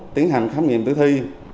tiến hành khám nghiệm tử thi